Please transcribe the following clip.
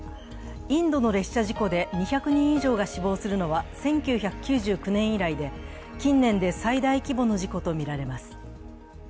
インドの列車事故で２００人以上が死亡するのは１９９９年以来で、近年で最大規模の事故とみられます。